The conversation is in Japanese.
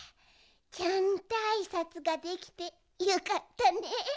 ちゃんとあいさつができてよかったね。